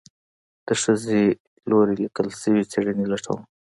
د ښځې لوري ليکل شوي څېړنې لټوم